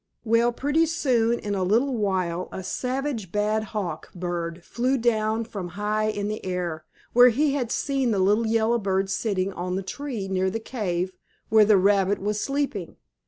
Well, pretty soon, in a little while, a savage, bad hawk bird flew down from high in the air, where he had seen the little yellow bird sitting on the tree, near the cave, where the rabbit was sleeping.